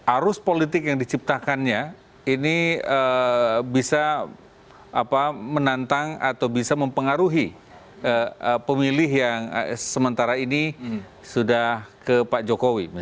arus politik yang diciptakannya ini bisa menantang atau bisa mempengaruhi pemilih yang sementara ini sudah ke pak jokowi